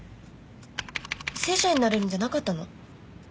正社員になれるんじゃなかったの？